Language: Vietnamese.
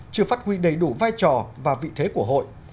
chưa phát huy đầy đủ vai trò và vị thế của hội